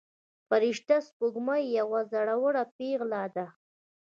فرشته سپوږمۍ یوه زړوره پيغله ده.